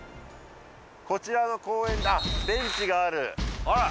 こちらの公園あっベンチがあるあら！